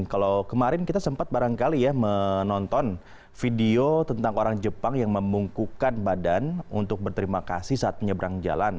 kalau kemarin kita sempat barangkali ya menonton video tentang orang jepang yang membungkukan badan untuk berterima kasih saat menyeberang jalan